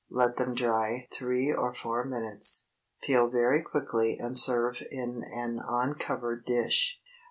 Let them dry three or four minutes; peel very quickly and serve in an uncovered dish.